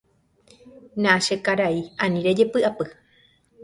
Na che karai, ani rejepy'apy.